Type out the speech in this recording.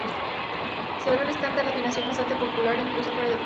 Se volvió un estándar de afinación bastante popular incluso fuera de Francia.